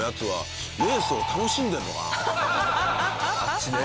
あっちね。